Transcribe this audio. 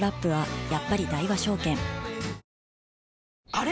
あれ？